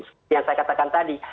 seperti yang saya katakan tadi